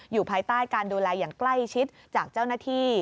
อยู่ภายใต้การดูแลอย่างใกล้ชิดจากเจ้าหน้าที่